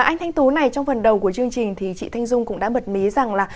anh thanh tú này trong phần đầu của chương trình thì chị thanh dung cũng đã bật mí rằng là